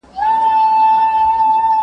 زه مخکي سينه سپين کړی و!!